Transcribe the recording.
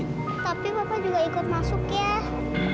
tapi bapak juga ikut masuk ya